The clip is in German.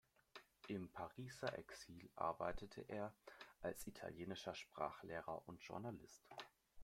Im Pariser Exil arbeitete er als italienischer Sprachlehrer und Journalist.